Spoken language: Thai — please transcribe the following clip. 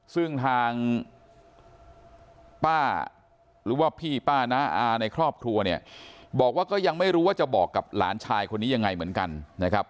ซึ่งทางป้าหรือว่าพี่ป้าน้าอาในครอบครัวเนี่ยบอกว่าก็ยังไม่รู้ว่าจะบอกกับหลานชายคนนี้ยังไงเหมือนกันนะครับ